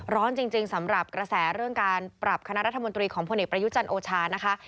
ร้อนจริงสำหรับกระแสเรื่องการปรับคณะรัฐมนตรีของพลเอกประยุจันทร์โอชานะคะ